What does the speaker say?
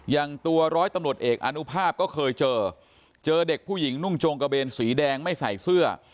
อย่างตัวร้อยตำรวจเอกอนุภาพก็เคยเจอเจอเด็กผู้หญิงนุ่งโจงกระเบนสีแดงไม่ใส่เสื้อ